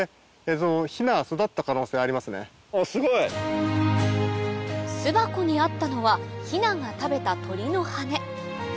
すごい！巣箱にあったのはヒナが食べた鳥の羽根